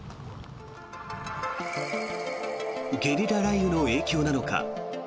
ゲリラ雷雨の影響なのか